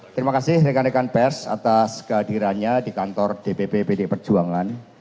terima kasih rekan rekan pers atas kehadirannya di kantor dpp pdi perjuangan